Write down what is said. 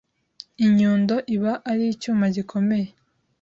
Inyundo iba ari icyuma gikomeye